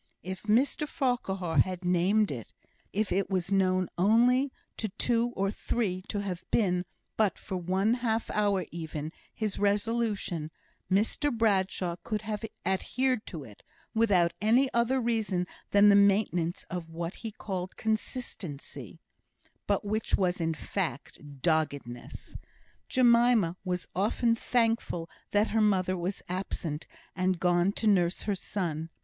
If Mr Farquhar had named it if it was known only to two or three to have been, but for one half hour even, his resolution Mr Bradshaw could have adhered to it, without any other reason than the maintenance of what he called consistency, but which was in fact doggedness. Jemima was often thankful that her mother was absent, and gone to nurse her son.